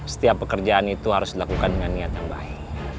setiap pekerjaan itu harus dilakukan dengan niat yang baik